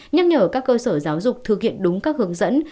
nhắc nhở các cơ sở giáo dục thực hiện đúng các hướng dẫn